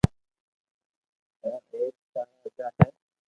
ھي او ايڪ راجا ھي